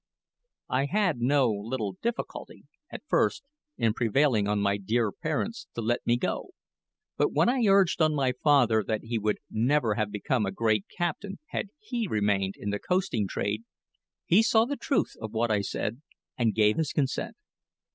I had no little difficulty, at first, in prevailing on my dear parents to let me go; but when I urged on my father that he would never have become a great captain had he remained in the coasting trade, he saw the truth of what I said and gave his consent.